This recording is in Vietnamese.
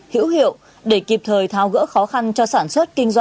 hữu hiệu để kịp thời thao gỡ khó khăn cho sản xuất kinh doanh bảo đảm an sinh xã hội